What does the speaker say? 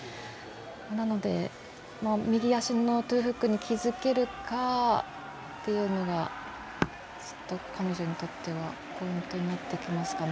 なので、右足のトウフックに気付けるかちょっと彼女にとってはポイントになってきますかね。